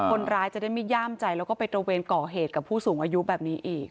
คนร้ายจะได้ไม่ย่ามใจแล้วก็ไปตระเวนก่อเหตุกับผู้สูงอายุแบบนี้อีก